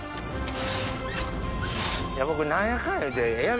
僕何やかんや言うて。